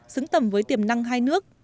xứng tầm với tiềm năng hai nước